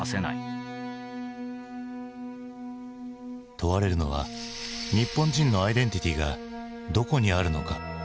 問われるのは日本人のアイデンティティーがどこにあるのかということ。